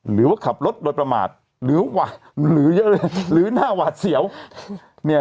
หรือว่าขับรถโดยประมาทหรือหวะหรือหรือหน้าหวาดเสียวนี่